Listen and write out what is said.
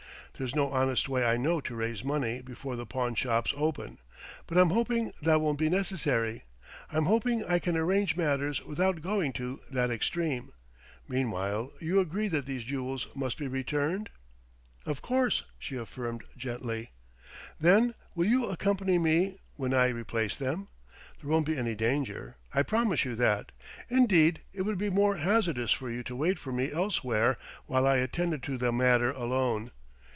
"There's no honest way I know to raise money before the pawn shops open. But I'm hoping that won't be necessary; I'm hoping I can arrange matters without going to that extreme. Meanwhile, you agree that these jewels must be returned?" "Of course," she affirmed gently. "Then ... will you accompany me when I replace them? There won't be any danger: I promise you that. Indeed, it would be more hazardous for you to wait for me elsewhere while I attended to the matter alone.